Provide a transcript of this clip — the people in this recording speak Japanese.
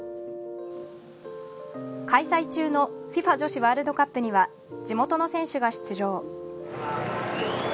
開催中のＦＩＦＡ女子ワールドカップには地元の選手が出場。